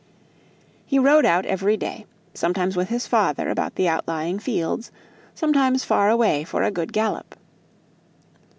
He rode out every day, sometimes with his father about the outlying fields, sometimes far away for a good gallop.